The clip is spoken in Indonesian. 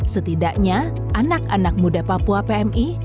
setidaknya anak anak muda papua pmi